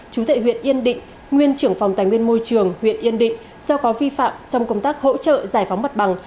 chú tệ huyện yên định nguyên trưởng phòng tài nguyên môi trường huyện yên định do có vi phạm trong công tác hỗ trợ giải phóng mặt bằng